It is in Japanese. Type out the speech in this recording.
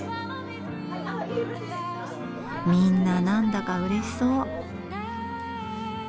みんな何だかうれしそう。